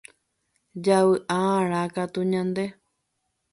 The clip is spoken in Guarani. javy'a'arã katu ñande